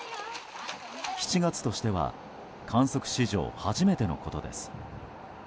７月としては観測史上初めてのことです。